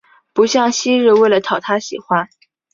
不像昔日为了讨他喜欢